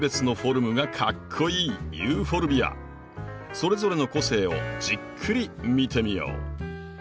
それぞれの個性をじっくり見てみよう。